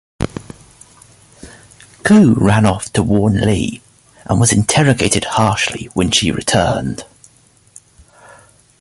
Kou ran off to warn Li and was interrogated harshly when she returned.